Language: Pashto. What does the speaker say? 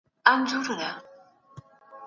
د بېوزلۍ کچه به ډېره ټیټه سوي وي.